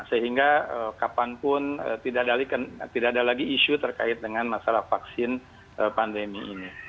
sehingga kapanpun tidak ada lagi isu terkait dengan masalah vaksin pandemi ini